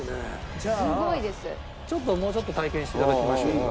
じゃあちょっともうちょっと体験していただきましょうか。